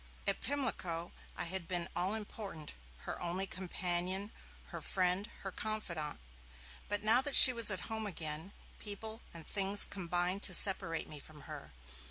At Pimlico, I had been all important, her only companion, her friend, her confidant. But now that she was at home again, people and things combined to separate me from her.